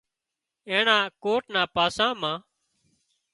اينڻا ڪوٽ نا پاسا مان